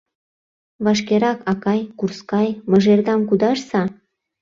Вашкерак, акай, курскай, мыжердам кудашса!